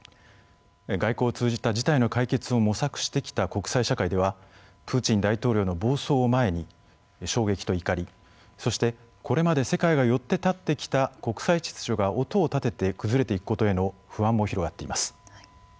外交を通じた事態の解決を模索してきた国際社会ではプーチン大統領の暴走を前に衝撃と怒りそしてこれまで世界がよって立ってきた国際秩序が音を立てて崩れていくことへの不安も広がっています。